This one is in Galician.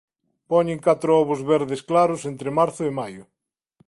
Poñen catro ovos verdes claros entre marzo e maio.